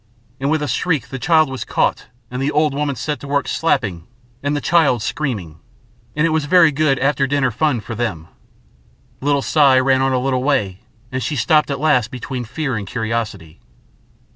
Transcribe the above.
And with a shriek the child was caught and the old woman set to work slapping and the child screaming, and it was very good after dinner fun for them. Little Si ran on a little way and stopped at last between fear and curiosity.